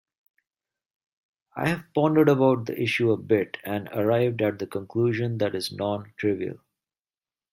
I have pondered about the issue a bit and arrived at the conclusion that it is non-trivial.